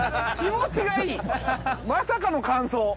まさかの感想。